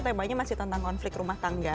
temanya masih tentang konflik rumah tangga